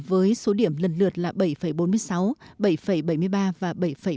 với số điểm lần lượt là bảy bốn mươi sáu bảy bảy mươi ba và bảy ba mươi hai